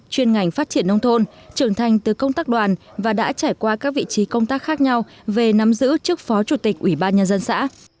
chuyên ngành phát triển nông thôn trưởng thành từ công tác đoàn và đã trải qua các vị trí công tác khác nhau về nắm giữ trước phó chủ tịch ủy ban nhân dân xã